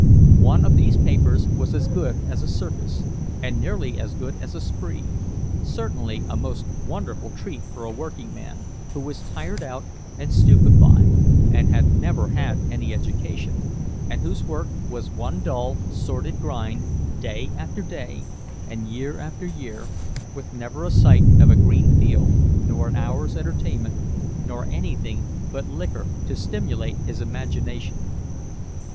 One of these papers was as good as a circus, and nearly as good as a spree—certainly a most wonderful treat for a workingman, who was tired out and stupefied, and had never had any education, and whose work was one dull, sordid grind, day after day, and year after year, with never a sight of a green field nor an hour's entertainment, nor anything but liquor to stimulate his imagination.